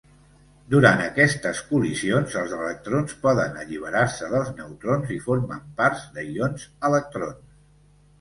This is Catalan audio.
Durant aquestes col·lisions, els electrons poden alliberar-se dels neutrons i formen pars de ions-electrons.